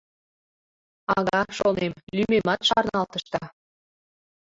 Ага, шонем, лӱмемат шарналтышда.